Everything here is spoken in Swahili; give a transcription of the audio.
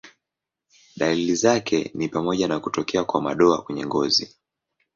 Dalili zake ni pamoja na kutokea kwa madoa kwenye ngozi.